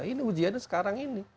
ini ujiannya sekarang ini